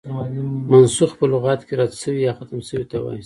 منسوخ په لغت کښي رد سوی، يا ختم سوي ته وايي.